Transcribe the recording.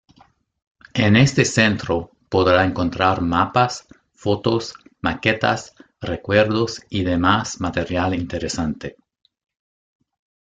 En este centro podrá encontrar mapas, fotos, maquetas, recuerdos y demás material interesante.